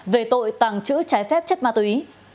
về tội tàng trữ trái phép chất ma túy